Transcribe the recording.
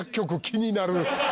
気になる！